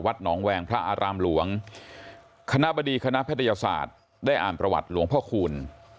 หนองแวงพระอารามหลวงคณะบดีคณะแพทยศาสตร์ได้อ่านประวัติหลวงพ่อคูณ